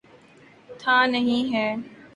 تھا، نہیں ہے۔